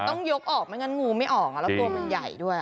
ต้องยกออกไม่งั้นงูไม่ออกแล้วตัวมันใหญ่ด้วย